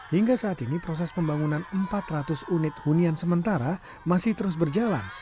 hingga saat ini proses pembangunan empat ratus unit hunian sementara masih terus berjalan